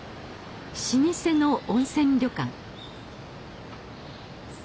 老舗の温泉旅館。